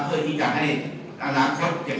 เพื่อที่จะให้ตลาดครอบครับ